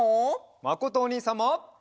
まことおにいさんも。